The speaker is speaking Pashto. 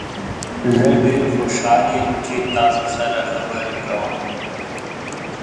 زه ډیر خوشحال یم چې تاسو سره خبرې کوم.